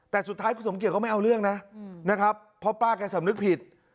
แต่สุดท้ายคุณสมเกียจก็ไม่เอาเรื่องนะนะครับเพราะป้าแกสำนึกผิด